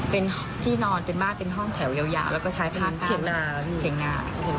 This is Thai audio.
เป็นห้องนอนเป็นบ้านเป็นห้องแถวยาวแล้วก็ใช้ผ้าเถียงนา